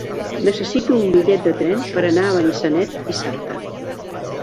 Necessito un bitllet de tren per anar a Benissanet dissabte.